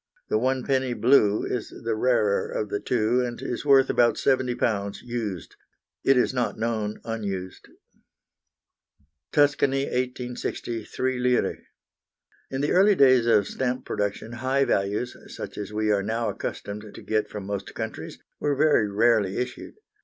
The 1d., blue, is the rarer of the two, and is worth about £70 used; it is not known unused. Tuscany, 1860, 3 lire. In the early days of stamp production high values, such as we are now accustomed to get from most countries, were very rarely issued.